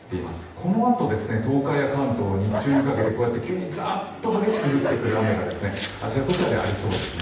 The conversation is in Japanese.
このあとですね、東海や関東、日中にかけて急にざーっと激しく降ってくる雨がですねあちらこちらでありそうですね。